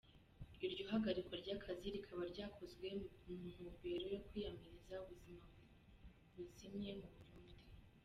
Iryo hagarikwa ry’akazi rikaba ryakozwe mu ntumbero yo kwiyamiriza ubuzima buzimvye mu Burundi.